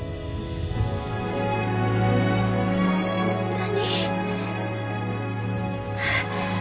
何？